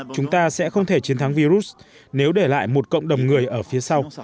chúng ta sẽ không thể chiến thắng virus nếu để lại một cộng đồng người ở phía sau